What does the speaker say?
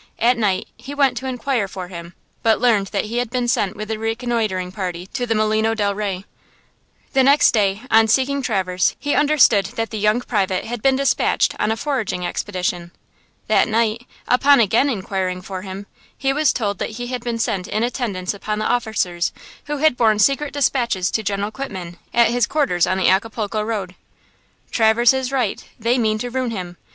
At night he went to inquire for him, but learned that he had been sent with a reconnoitering party to the Molino del Rey. The next day, on seeking Traverse, he understood that the young private had been despatched on a foraging expedition. That night, upon again inquiring for him, he was told that he had been sent in attendance upon the officers who had borne secret despatches to General Quitman, at his quarters on the Acapulco road. "Traverse is right. They mean to ruin him.